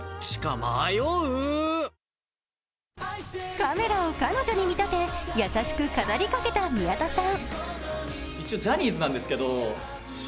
カメラを彼女に見立て優しく語りかけた宮田さん。